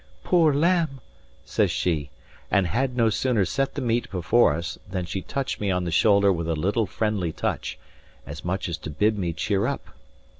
"Poor lamb!" says she, and had no sooner set the meat before us, than she touched me on the shoulder with a little friendly touch, as much as to bid me cheer up.